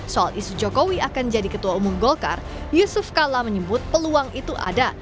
soal isu jokowi akan jadi ketua umum golkar yusuf kala menyebut peluang itu ada